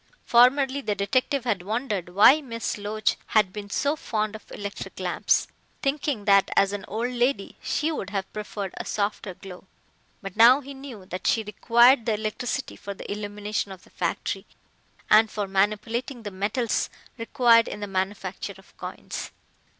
Formerly the detective had wondered why Miss Loach had been so fond of electric lamps, thinking that as an old lady she would have preferred a softer glow. But now he knew that she required the electricity for the illumination of the factory, and for manipulating the metals required in the manufacture of coins.